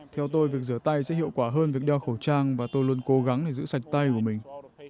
theo tôi việc rửa tay sẽ hiệu quả hơn việc đeo khẩu trang và tôi luôn cố gắng để giữ sạch tay của mình